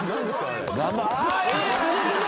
あれ。